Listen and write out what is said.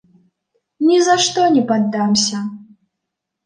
Ні за што не паддамся!